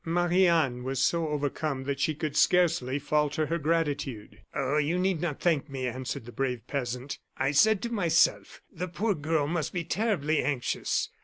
Marie Anne was so overcome that she could scarcely falter her gratitude. "Oh, you need not thank me," answered the brave peasant. "I said to myself: 'The poor girl must be terribly anxious.